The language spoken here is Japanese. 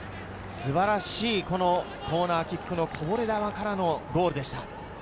素晴らしいコーナーキックのこぼれ球からのゴールでした。